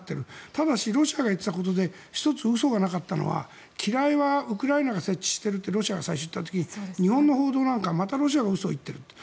ただし、ロシアが言っていたことで１つ嘘はなかったので機雷はウクライナが設置しているとロシアが言った時日本の報道なんかロシアがまた嘘を言っていると。